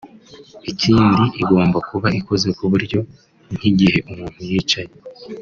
Ikindi igomba kuba ikoze ku buryo nk’igihe umuntu yicaye